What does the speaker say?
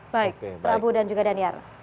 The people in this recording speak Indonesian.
baik prabu dan juga daniar